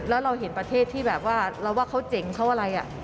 แล้วเราเห็นประเทศที่แบบว่าเราว่าเขาเจ๋งเขาอะไร